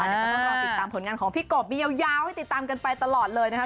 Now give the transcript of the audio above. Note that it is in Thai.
เดี๋ยวก็ต้องรอติดตามผลงานของพี่กบยาวให้ติดตามกันไปตลอดเลยนะคะ